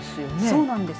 そうなんです。